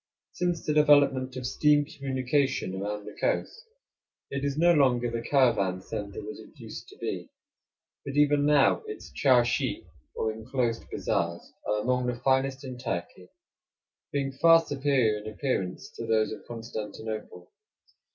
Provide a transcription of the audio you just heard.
Since the development of steam communication around the coast, it is no longer the caravan center that it used to be; but even now its charshi, or inclosed bazaars, are among the finest in Turkey, being far superior in appearance to those of Constantinople.